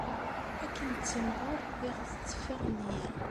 Akken nettimɣur i ɣ-tetteffeɣ nneyya.